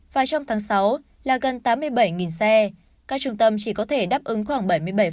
và trong tháng sáu là gần tám mươi bảy xe các trung tâm chỉ có thể đáp ứng khoảng bảy mươi bảy